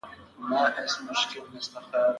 لوگر د افغانستان د جغرافیوي تنوع مثال دی.